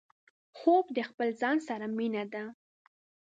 خوب د خپل ځان سره مينه ده